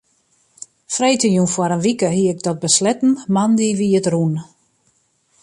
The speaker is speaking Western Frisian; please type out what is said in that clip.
Freedtejûn foar in wike hie ik dat besletten, moandei wie it rûn.